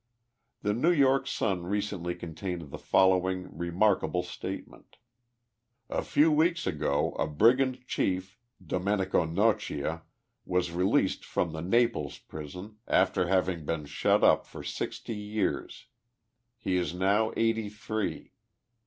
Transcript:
The New York Sun recently contained the following remark able statement: 11 A few weeks ago a brigand chief, Domenico Noccliia, was released from the Naples prison, after having been THE LIFE OF JESSE HARDIXG POMEROY. shut up for sixty years. He is now eighty three.